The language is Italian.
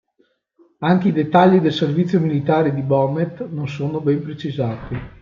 Anche i dettagli del servizio militare di Bonnet non sono ben precisati.